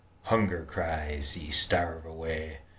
Hunger cries, Ye starve: away!